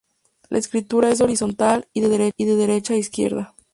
La escritura es horizontal y de derecha a izquierda.